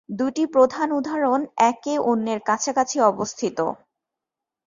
দুটি প্রধান উদাহরণ একে অন্যের কাছাকাছি অবস্থিত।